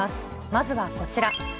まずはこちら。